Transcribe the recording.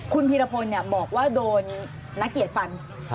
คุณพีรพลบอกว่าโดนนักเกียรติฟัน